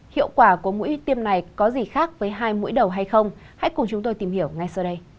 hiệu quả của mũi tiêm này có gì khác với hai mũi đầu hay không hãy cùng chúng tôi tìm hiểu ngay sau đây